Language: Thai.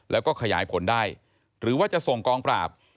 แล้วก็ขยายผลได้หรือว่าจะส่งกองปราบ